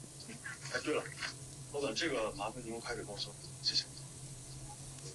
俅江芰草